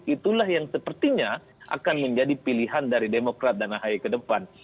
itulah yang sepertinya akan menjadi pilihan dari demokrat dan ahai ke depan